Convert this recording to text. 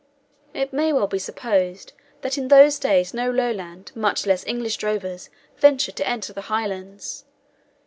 It may well be supposed that in those days no Lowland, much less English drovers, ventured to enter the Highlands.